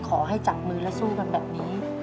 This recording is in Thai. ขอให้จับมือและสู้กันแบบนี้